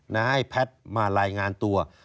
ให้แพทย์มารายงานตัว